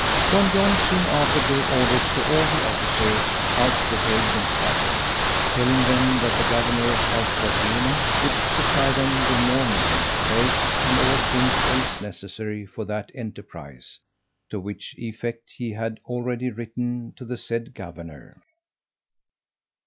Don John soon after gave orders to all the officers how to behave themselves, telling them that the governor of Carthagena would supply them with more men, boats, and all things else, necessary for that enterprise; to which effect he had already written to the said governor.